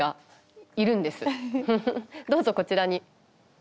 どうぞこちらに。